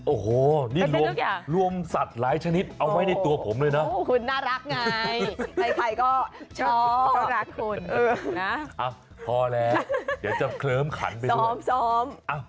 โอ้โหนี่รวมสัตว์หลายชนิดเอาไว้ในตัวผมเลยนะคุณน่ารักไงใครก็ชอบรักคุณนะพอแล้วเดี๋ยวจะเคลิ้มขันไปเลยซ้อม